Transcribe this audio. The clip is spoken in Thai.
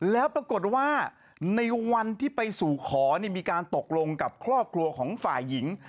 แล้วปรากฏว่าในวันที่ไปสู่ขอมีการตกลงกับครอบครัวของฝ่ายหญิง